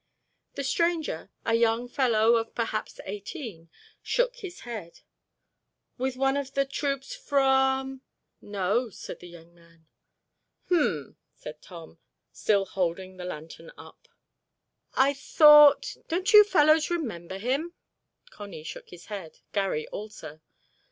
The stranger, a young fellow of perhaps eighteen, shook his head. "With one of the troops from——?" "No," said the young man. "Hmn," said Tom, still holding the lantern up; "I thought——Don't you fellows remember him?" Connie shook his head; Garry also.